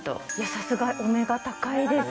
さすがお目が高いです。